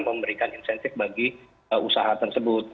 memberikan insentif bagi usaha tersebut